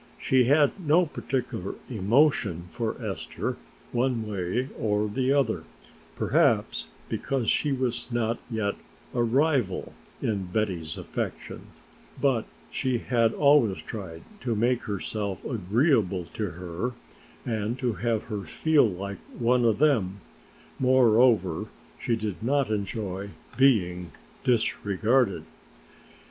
She had no particular emotion for Esther one way or the other, perhaps because she was not yet a rival in Betty's affections, but she had always tried to make herself agreeable to her and to have her feel like one of them; moreover, she did not enjoy being disregarded.